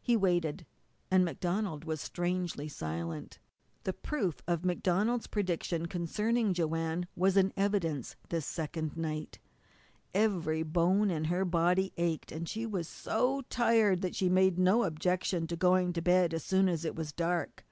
He waited. And MacDonald was strangely silent. The proof of MacDonald's prediction concerning Joanne was in evidence this second night. Every bone in her body ached, and she was so tired that she made no objection to going to her bed as soon as it was dark.